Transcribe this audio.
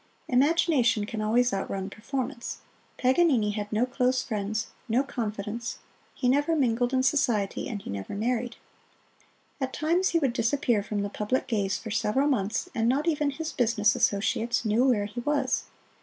Imagination can always outrun performance. Paganini had no close friends; no confidants: he never mingled in society, and he never married. At times he would disappear from the public gaze for several months, and not even his business associates knew where he was.